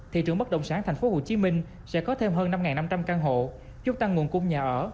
thị trường bất động sản tp hcm sẽ có thêm hơn năm năm trăm linh căn hộ giúp tăng nguồn cung nhà ở